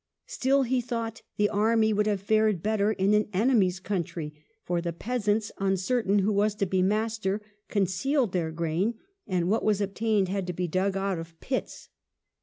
Still he thought the army would have fared better in an enemy's country, for the peasants, uncertain who was to be master, concealed their grain, and what was obtained had to be dug out of pits.